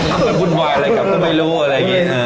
เอาไปวุ่นวายอะไรกลับก็ไม่รู้อะไรอย่างนี้นะ